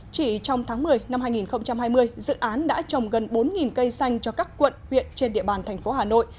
chỉ trong tháng một mươi năm hai nghìn hai mươi dự án đã trồng gần bốn cây xanh cho các quận huyện trên địa bàn thành phố hà nội